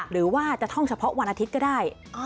หรือว่าจะท่องเฉพาะวันอาทิตย์ก็ได้